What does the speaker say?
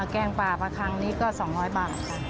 แกงปลาประคังนี้ก็๒๐๐บาทค่ะ